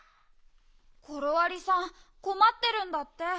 コロありさんこまってるんだって。